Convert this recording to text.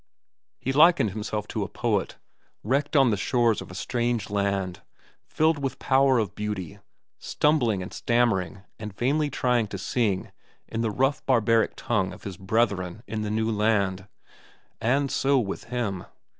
He likened himself to a poet, wrecked on the shores of a strange land, filled with power of beauty, stumbling and stammering and vainly trying to sing in the rough, barbaric tongue of his brethren in the new land. And so with him.